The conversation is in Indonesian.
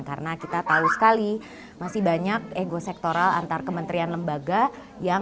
karena kita tahu sekali masih banyak ego sektoral antar kementerian lembaga yang tidak menentukan